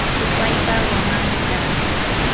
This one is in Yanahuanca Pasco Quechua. supaypa wawanmi kaa.